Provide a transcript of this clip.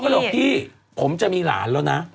ก็เลยบอกพี่ผมจะมีหลานแล้วนะ